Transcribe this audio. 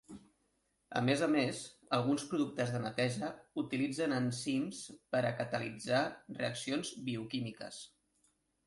A més a més, alguns productes de neteja utilitzen enzims per a catalitzar reaccions bioquímiques.